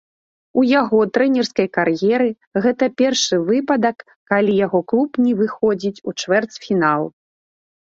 У яго трэнерскай кар'еры, гэта першы выпадак, калі яго клуб не выходзіць у чвэрцьфінал.